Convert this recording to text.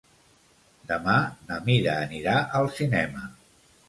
Demà na Mira anirà al cinema.